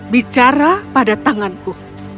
bicara pada tanganku